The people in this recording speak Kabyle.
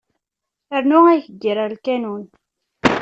Rnu ageyyir ɣer lkanun.